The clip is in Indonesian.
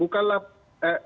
humas mahkamah kepala